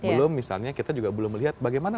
belum misalnya kita juga belum melihat bagaimana